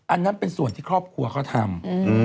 อันนั้นเป็นส่วนที่ครอบครัวเขาทำ